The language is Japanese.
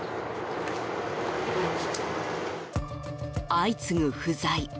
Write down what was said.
相次ぐ不在。